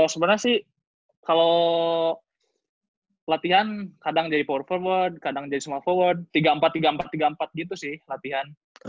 sebenarnya sih kalau latihan kadang jadi powerferword kadang jadi semua forward tiga empat tiga empat tiga empat gitu sih latihan